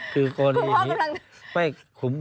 คุณพ่อกำลัง